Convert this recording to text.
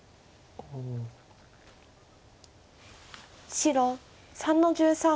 白３の十三。